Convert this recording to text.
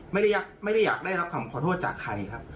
ไม่ได้อยากได้รับคำขอโทษจากใครครับ